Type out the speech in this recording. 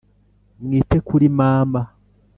Mwite kuri mama.